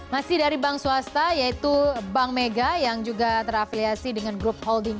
masih dari bank swasta yaitu bank mega yang juga terafiliasi dengan grup holding